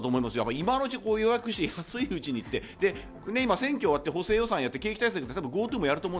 今のうちに予約して安いうちに行って、選挙終わって補正予算あって、景気対策でＧｏＴｏもやると思う。